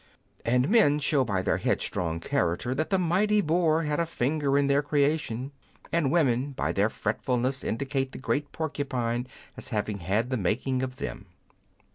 And men show by their headstrong character that the mighty boar had a finger in their creation, and women by their fretfulness indicate the great porcupine as having had the making of them.